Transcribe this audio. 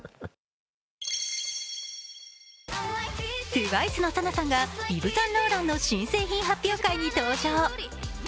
ＴＷＩＣＥのＳＡＮＡさんがイヴ・サンローランの新製品発表会に登場。